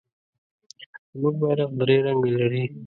زمونږ بیرغ درې رنګه لري.